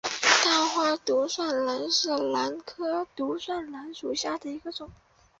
大花独蒜兰为兰科独蒜兰属下的一个种。